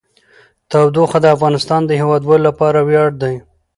تودوخه د افغانستان د هیوادوالو لپاره ویاړ دی.